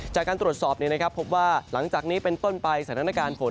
จากการตรวจสอบพบว่าหลังจากนี้เป็นต้นไปสถานการณ์ฝน